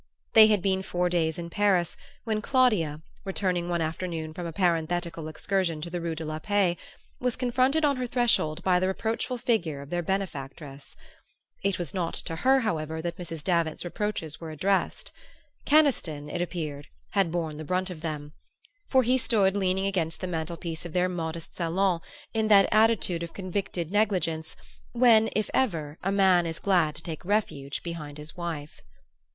They had been four days in Paris when Claudia, returning one afternoon from a parenthetical excursion to the Rue de la Paix, was confronted on her threshold by the reproachful figure of their benefactress. It was not to her, however, that Mrs. Davant's reproaches were addressed. Keniston, it appeared, had borne the brunt of them; for he stood leaning against the mantelpiece of their modest salon in that attitude of convicted negligence when, if ever, a man is glad to take refuge behind his wife.